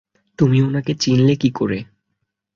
তুমি ওনাকে চিনলে কি কোরে?